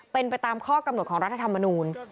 เป็นไปตามข้อกำหนดของรัฐธรรมนูล